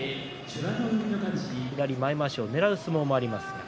左前まわしをねらう相撲もあります。